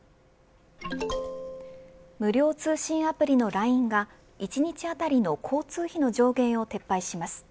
無料通信アプリのＬＩＮＥが１日当たりの交通費の上限を撤廃します。